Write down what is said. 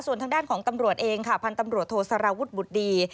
ส่วนทางด้านของตำรวจเองค่ะพันธ์ตำรวจโทสารวุฒิบุตรดี